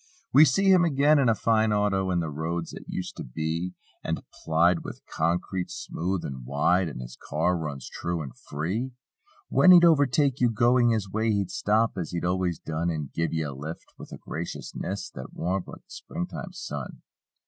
We see him again, in a fine auto; And the roads that used to be And plied with concrete, smooth and wide. And his car runs true and free. When he'd overtake you going his way He'd stop as he'd always done And "give ye a lift" with a graciousness That warmed like the springtime sun.